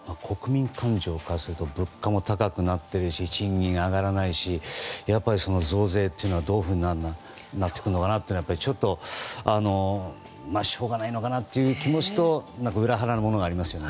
物価も高くなっているし賃金上がらないし増税というのはどういうふうになっていくのかなというのがしょうがないのかなという気持ちと裏腹のものがありますよね。